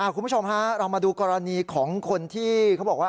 คุณผู้ชมฮะเรามาดูกรณีของคนที่เขาบอกว่า